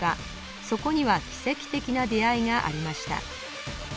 そこには奇跡的な出会いがありました